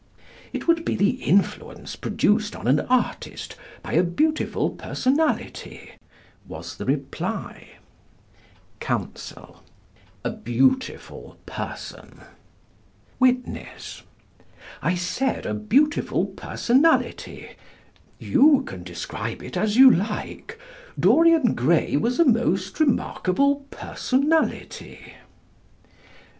"It would be the influence produced on an artist by a beautiful personality," was the reply. Counsel: A beautiful person? Witness: I said "a beautiful personality." You can describe it as you like. Dorian Gray was a most remarkable personality.